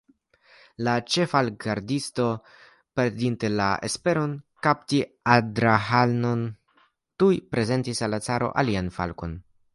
La ĉeffalkgardisto, perdinte la esperon kapti Adrahanon, tuj prezentis al la caro alian falkon.